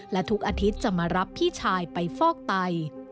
และทุกอาทิตย์จะมารับพี่ชายไปฟอกไต